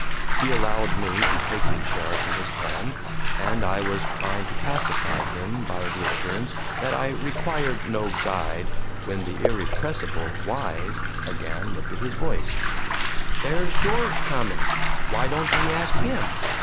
He allowed me to take the chair from his hand, and I was trying to pacify him by the assurance that I required no guide when the irrepressible Wise again lifted his voice: "Theer's George comin'! why don't ye ask him?